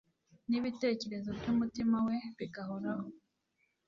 n’ibitekerezo by’umutima we bigahoraho